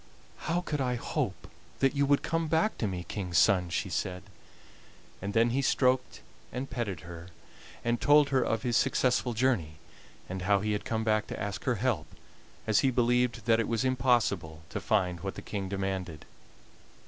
"How could I hope that you would come back to me King's son?" she said. And then he stroked and petted her, and told her of his successful journey, and how he had come back to ask her help, as he believed that it was impossible to find what the King demanded.